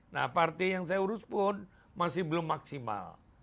nah partai yang saya urus pun masih belum maksimal